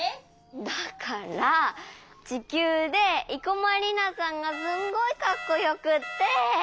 だからちきゅうで生駒里奈さんがすんごいかっこよくって。